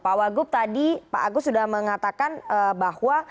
pak wagub tadi pak agus sudah mengatakan bahwa